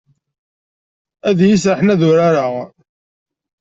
Ad iyi-d-serḥen ad urareɣ.